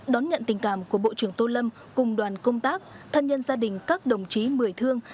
đón nhận tình cảm của bộ trưởng tô lâm cùng đoàn công tác thân nhân gia đình các đồng chí mười thương